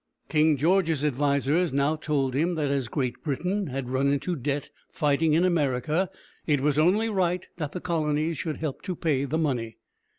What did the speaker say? King George's advisers now told him that as Great Britain had run into debt fighting in America, it was only right that the colonies should help to pay the money.